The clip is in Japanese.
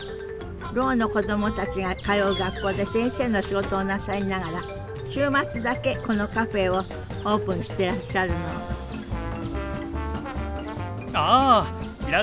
ろうの子供たちが通う学校で先生の仕事をなさりながら週末だけこのカフェをオープンしてらっしゃるのあいらっしゃいませ。